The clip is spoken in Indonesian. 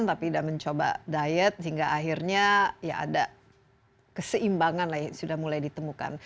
tapi tidak mencoba diet sehingga akhirnya ada keseimbangan yang sudah mulai ditemukan